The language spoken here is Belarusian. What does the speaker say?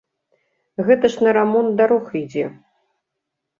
Гэта ж на рамонт дарог ідзе.